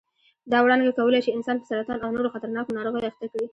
دا وړانګې کولای شي انسان په سرطان او نورو خطرناکو ناروغیو اخته کړي.